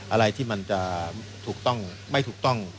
อะไรที่มันจะถูกต้องไม่ถูกต้อง